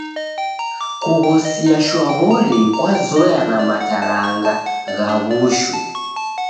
Kughosia shwaw'ori kwazoya na mataranga gha w'ushu.